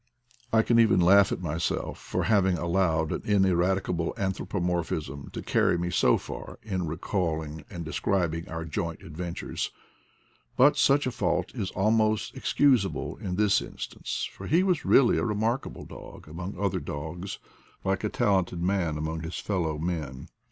I can even laugh at myself for having allowed an in eradicable anthropomorphism to carry me so far in recalling and^dtesSnbing our joint adventures. But such a fault is almost excusable in this in stance, for he was really a remarkable dog among other dogs, like a talented man among his fellow men.